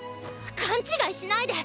勘違いしないで！